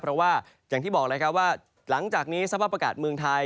เพราะว่าอย่างที่บอกเลยครับว่าหลังจากนี้สภาพอากาศเมืองไทย